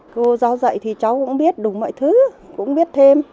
cô giáo dạy thì cháu cũng biết đúng mọi thứ cũng biết thêm